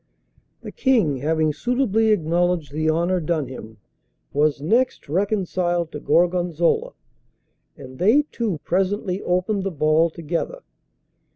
The King having suitably acknowledged the honour done him, was next reconciled to Gorgonzola, and they two presently opened the ball together.